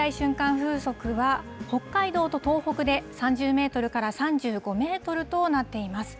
風速は北海道と東北で３０メートルから３５メートルとなっています。